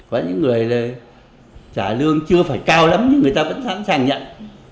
và những người trả lương chưa phải cao lắm nhưng người ta vẫn sẵn sàng nhận